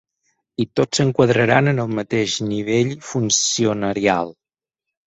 I tots s’enquadraran en el mateix nivell funcionarial.